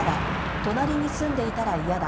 隣に住んでいたら嫌だ。